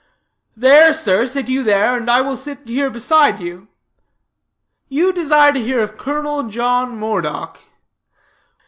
"There, sir, sit you there, and I will sit here beside you you desire to hear of Colonel John Moredock.